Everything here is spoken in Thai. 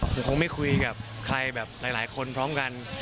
ผมคงไม่คุยกับใครแบบหลายคนพร้อมกัน